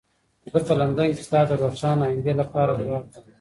زه په لندن کې ستا د روښانه ایندې لپاره دعا کوم.